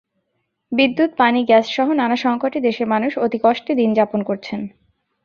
বিদ্যুৎ, পানি, গ্যাসসহ নানা সংকটে দেশের মানুষ অতিকষ্টে দিন যাপন করছেন।